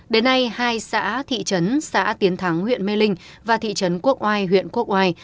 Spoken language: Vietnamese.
đến nay hai xã thị trấn xã tiến thắng huyện mê linh và thị trấn quốc oai huyện quốc oai